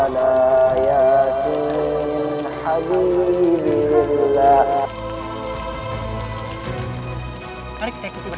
jais angara nidanga cepat keluar